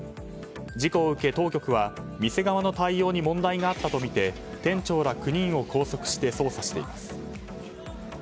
事故を受け、当局は店側の対応に問題があったとみて店長ら９人を拘束して捜査しています。